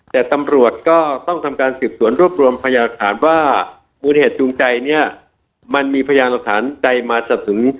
แต่ตำรวจก็ต้องทำการสืบสวนรวบรวมพยาฐานว่ามูลเหตุจูงใจเนี่ยมันมีพยานหลักฐานใดมาจนถึง